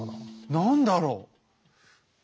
何だろう？